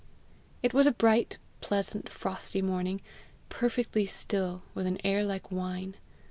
It was a bright, pleasant, frosty morning, perfectly still, with an air like wine.